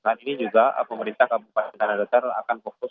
ini juga pemerintah kabupaten tanah datar akan fokus